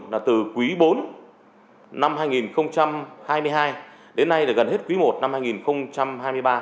là từ quý bốn năm hai nghìn hai mươi hai đến nay là gần hết quý i năm hai nghìn hai mươi ba